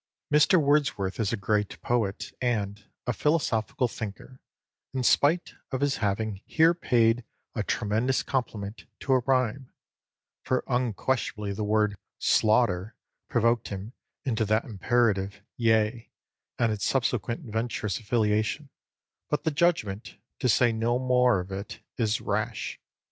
Mr Wordsworth is a great poet and a philosophical thinker, in spite of his having here paid a tremendous compliment to a rhyme (for unquestionably the word "slaughter" provoked him into that imperative "Yea," and its subsequent venturous affiliation); but the judgment, to say no more of it, is rash.